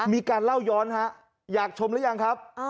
มีการเล่าย้อนฮะอยากชมหรือยังครับ